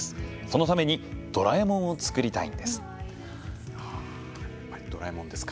そのためにドラえもんを作りたいのです」。